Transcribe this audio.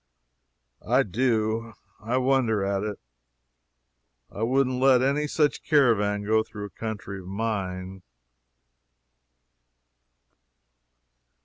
I do I wonder at it. I wouldn't let any such caravan go through a country of mine.